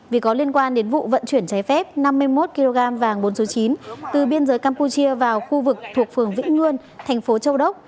vì có liên quan đến vụ vận chuyển trái phép năm mươi một kg vàng bốn số chín từ biên giới campuchia vào khu vực thuộc phường vĩnh nguyên thành phố châu đốc